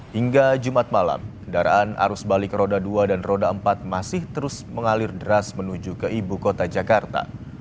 hingga jumat malam kendaraan arus balik roda dua dan roda empat masih terus mengalir deras menuju ke ibu kota jakarta